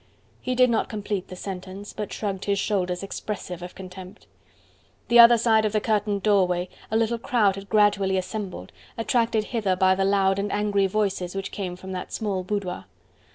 He did not complete the sentence, but shrugged his shoulders expressive of contempt. The other side of the curtained doorway a little crowd had gradually assembled, attracted hither by the loud and angry voices which came from that small boudoir.